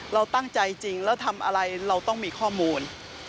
เราตั้งใจจริงแล้วทำอะไรเราต้องมีข้อมูล